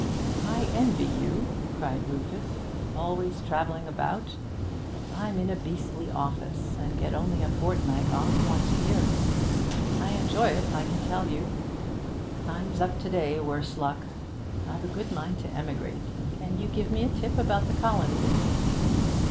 'I envy you,' cried Rufus, 'always travelling about. I'm in a beastly office, and get only a fortnight off once a year. I enjoy it, I can tell you! Time's up today, worse luck! I've a good mind to emigrate. Can you give me a tip about the colonies?'